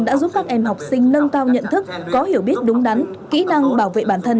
đã giúp các em học sinh nâng cao nhận thức có hiểu biết đúng đắn kỹ năng bảo vệ bản thân